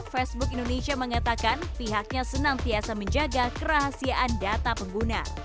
facebook indonesia mengatakan pihaknya senantiasa menjaga kerahasiaan data pengguna